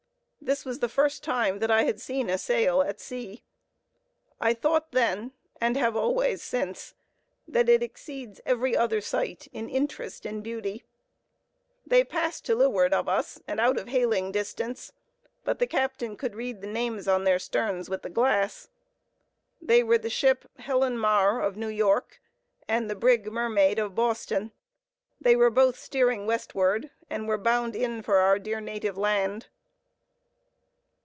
This was the first time that I had seen a sail at sea. I thought then, and have always since, that it exceeds every other sight in interest and beauty. They passed to leeward of us, and out of hailing distance; but the captain could read the names on their sterns with the glass. They were the ship Helen Mar, of New York, and the brig Mermaid, of Boston. They were both steering westward, and were bound in for our "dear native land."